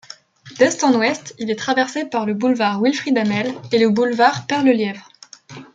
D'est en ouest, il est traversé par le boulevard Wilfrid-Hamel et le boulevard Père-Lelièvre.